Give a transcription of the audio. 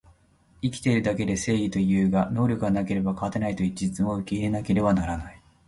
生きてるだけで正義というが、能力がなければ勝てないという事実も受け入れなければならない